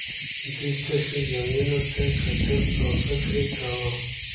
دوی تشو ځایونو ته کتل او فکر یې کاوه